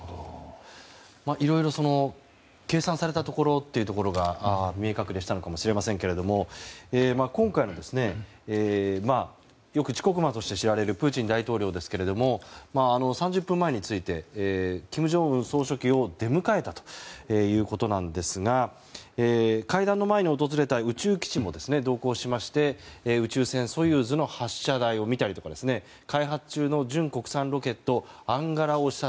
いろいろ計算されたところ見え隠れしたかもしれませんが今回よく遅刻魔として知られるプーチン大統領ですけれども３０分前について金正恩総書記を出迎えたということなんですが会談の前に訪れた宇宙基地にも同行しまして宇宙船「ソユーズ」の発射台を見たりとか開発中の純国産ロケット「アンガラ」を視察。